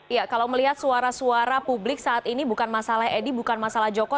ya kalau melihat suara suara publik saat ini bukan masalah edi bukan masalah joko